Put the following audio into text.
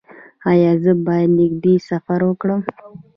ایا زه باید نږدې سفر وکړم؟